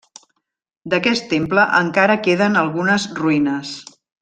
D'aquest temple encara queden algunes ruïnes.